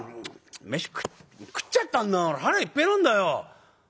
飯食っちゃったんだから腹いっぺえなんだよ」。